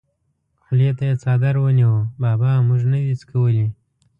خولې ته یې څادر ونیو: بابا مونږ نه دي څکولي!